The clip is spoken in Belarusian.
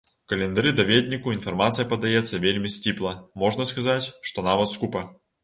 У календары-даведніку інфармацыя падаецца вельмі сціпла, можна сказаць, што нават скупа.